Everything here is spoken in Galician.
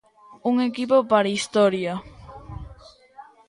Un equipo para a historia.